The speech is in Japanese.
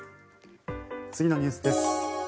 次のニュースです。